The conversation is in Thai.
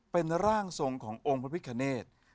เป็นร่างทรงขององค์พระพิคเนธ